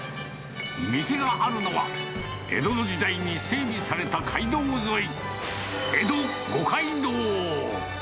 店があるのは、江戸の時代に整備された街道沿い、江戸五街道。